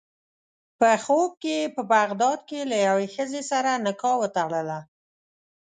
په خوب کې یې په بغداد کې له یوې ښځې سره نکاح وتړله.